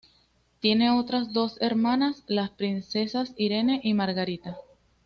Tiene otras dos hermanas, las princesas Irene y Margarita.